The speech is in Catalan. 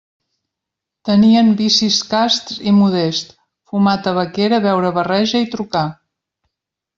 Tenien vicis casts i modests: fumar tabaquera, beure barreja i trucar.